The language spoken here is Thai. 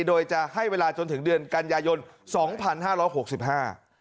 โดยจะให้เวลาจนถึงเดือนกันยายน๒๕๖๕บาท